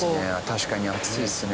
確かに暑いですね。